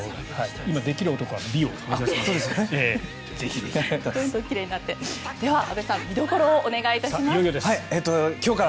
今、できる男は美を大切にしますから。